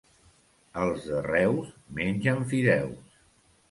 Els de Reus mengen fideus.